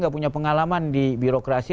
gak punya pengalaman di birokrasi